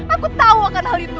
aku tahu akan hal itu